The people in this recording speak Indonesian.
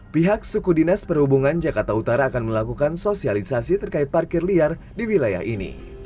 pihak suku dinas perhubungan jakarta utara akan melakukan sosialisasi terkait parkir liar di wilayah ini